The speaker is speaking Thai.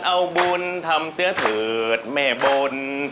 เอาบุญทำเสื้อเถิดแม่บน